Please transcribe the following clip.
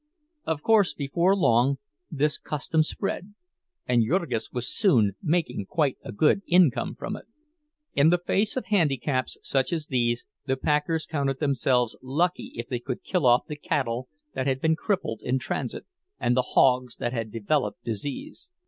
Of course, before long this custom spread, and Jurgis was soon making quite a good income from it. In the face of handicaps such as these the packers counted themselves lucky if they could kill off the cattle that had been crippled in transit and the hogs that had developed disease.